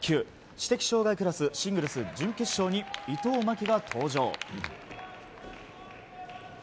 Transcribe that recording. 知的障害クラスシングルス準決勝に伊藤槙紀が登場。